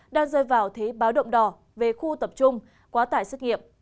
đang rơi vào thế báo động đỏ về khu tập trung quá tải xét nghiệm